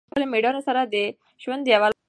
آس په خپلې مېړانې سره د ژوند یوه لویه معجزه وښودله.